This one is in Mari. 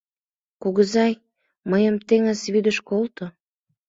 «Кугызай, мыйым теҥыз вӱдыш колто